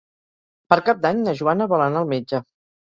Per Cap d'Any na Joana vol anar al metge.